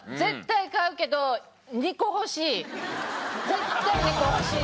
絶対２個欲しい。